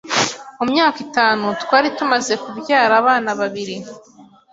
mu myaka itanu twari tumaze kubyara abana babiri